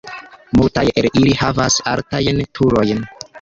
Multaj el ili havas altajn turojn.